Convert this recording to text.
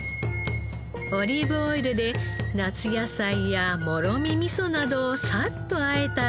オリーブオイルで夏野菜やもろみ味噌などをサッとあえたら。